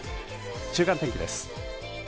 週間天気です。